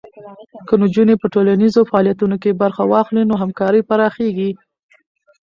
که نجونې په ټولنیزو فعالیتونو کې برخه واخلي، نو همکاري پراخېږي.